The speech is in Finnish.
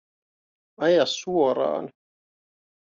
Aja suoraan